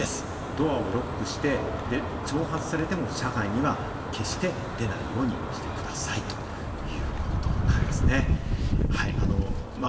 ドアをロックして、挑発されても、車外には決して出ないようにしてください。ということなんですね。